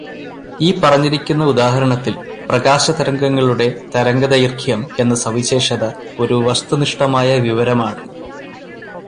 ഈ പറഞ്ഞിരിക്കുന്ന ഉദാഹരണത്തിൽ, പ്രകാശതരംഗംങ്ങളുടെ തരംഗദൈർഗ്ഘ്യം എന്ന സവിശേഷത ഒരു വസ്തുനിഷ്ഠമായ വിവരമാണ്.